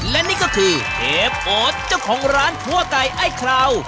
และนี่ก็คือเชฟโอ๊ตเจ้าของร้านคั่วไก่ไอ้คราว